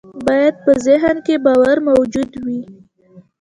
بايد په ذهن کې باور موجود وي.